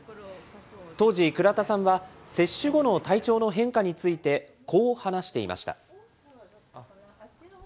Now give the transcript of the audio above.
当時、倉田さんは接種後の体調の変化について、こう話していました。